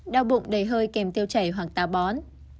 đau bụng đầy hơi kèm tiêu chảy hoặc tà bón